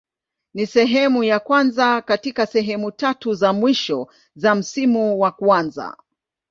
Ni sehemu ya kwanza katika sehemu tatu za mwisho za msimu wa kwanza.